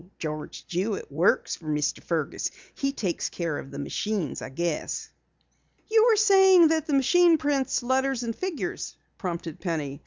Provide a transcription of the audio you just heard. George Jewitt works for Mr. Fergus. He takes care of the machines, I guess." "You were saying that the machine prints letters and figures," prompted Penny.